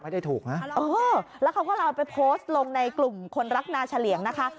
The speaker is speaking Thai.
ไม่ได้ถูกนะเออแล้วเขาก็เอาไปโพสต์ลงในกลุ่มคนรักนาเฉลี่ยงนะคะ